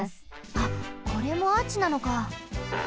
あこれもアーチなのか。